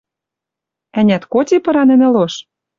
Ӓнят, коти пыра нӹнӹ лош?»